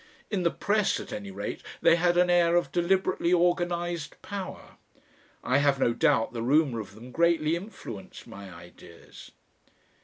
In the press, at any rate, they had an air of deliberately organised power. I have no doubt the rumour of them greatly influenced my ideas....